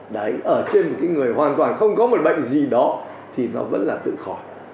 đấy ở trên một cái người hoàn toàn không có một bệnh gì đó thì nó vẫn là tự khỏi